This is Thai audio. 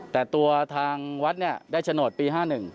แต่ตัวทางวัดได้โฉนดปี๕๑